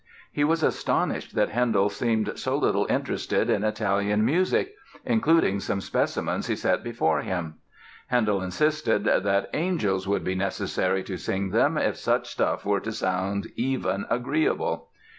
He was astonished that Handel seemed so little interested in Italian music, including some specimens he set before him. Handel insisted that "angels would be necessary to sing them if such stuff were to sound even agreeable."